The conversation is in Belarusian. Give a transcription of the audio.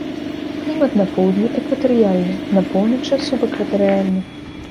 Клімат на поўдні экватарыяльны, на поўначы субэкватарыяльны.